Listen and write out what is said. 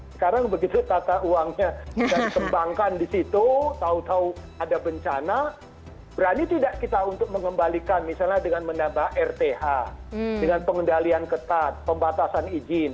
sekarang begitu tata uangnya sudah dikembangkan di situ tahu tahu ada bencana berani tidak kita untuk mengembalikan misalnya dengan menambah rth dengan pengendalian ketat pembatasan izin